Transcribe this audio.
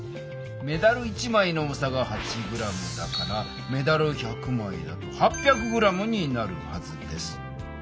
メダル１枚の重さが８ｇだからメダル１００枚だと８００ｇになるはずです。